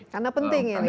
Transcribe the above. karena penting ya ini kan